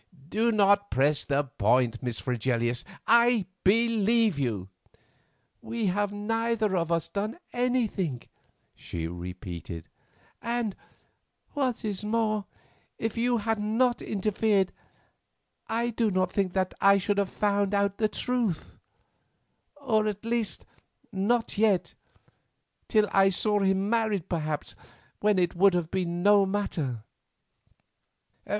"Do not press the point, Miss Fregelius; I believe you." "We have neither of us done anything," she repeated; "and, what is more, if you had not interfered, I do not think that I should have found out the truth; or, at least, not yet—till I saw him married, perhaps, when it would have been no matter."